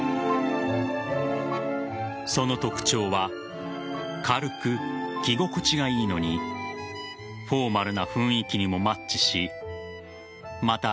その特徴は軽く、着心地がいいのにフォーマルな雰囲気にもマッチしまた